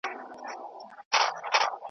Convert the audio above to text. نیکه له پلاره ورکي لاري په میراث راوړي .